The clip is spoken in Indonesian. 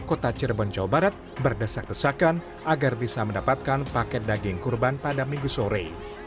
kota cirebon jawa barat berdesak desakan agar bisa mendapatkan paket daging kurban pada minggu sore